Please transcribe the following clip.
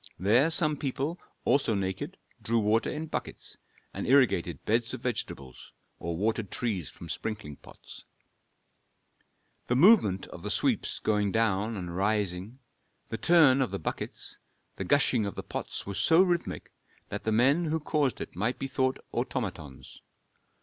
There some people, also naked, drew water in buckets, and irrigated beds of vegetables, or watered trees from sprinkling pots. The movement of the sweeps going down and rising, the turn of the buckets, the gushing of the pots was so rhythmic that the men who caused it might be thought automatons.